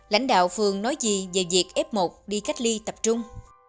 lãnh đạo phường nói gì về việc f một đi cách ly tập trung